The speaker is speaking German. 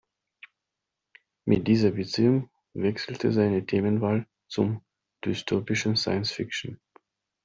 Mit dieser Beziehung wechselte seine Themenwahl zum dystopischen Science Fiction.